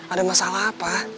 ada masalah apa